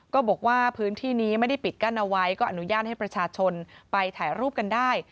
บอกว่าพื้นที่นี้ไม่ได้ปิดกั้นเอาไว้ก็อนุญาตให้ประชาชนไปถ่ายรูปกันได้